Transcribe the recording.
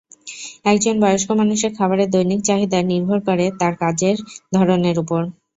একজন বয়স্ক মানুষের খাবারের দৈনিক চাহিদা নির্ভর করে তাঁর কাজের ধরনের ওপর।